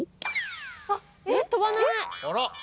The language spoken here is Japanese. あっ飛ばない。